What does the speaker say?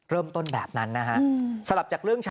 เริ่มต้นแบบนั้นนะฮะ